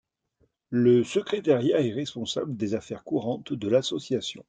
Le Secrétariat est responsable des affaires courantes de l’association.